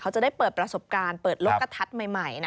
เขาจะได้เปิดประสบการณ์เปิดลกกระทัดใหม่